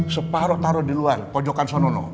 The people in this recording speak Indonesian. separa taruh di luar pojokan sana loh